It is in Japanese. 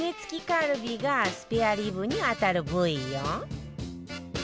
カルビがスペアリブに当たる部位よ